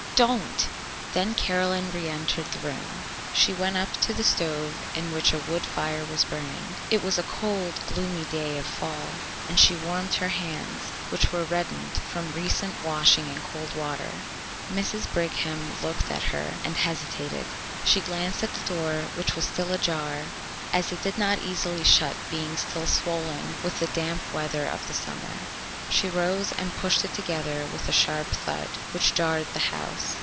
Don't!" Then Caroline reëntered the room. She went up to the stove in which a wood fire was burning it was a cold, gloomy day of fall and she warmed her hands, which were reddened from recent washing in cold water. Mrs. Brigham looked at her and hesitated. She glanced at the door, which was still ajar, as it did not easily shut, being still swollen with the damp weather of the summer. She rose and pushed it together with a sharp thud, which jarred the house.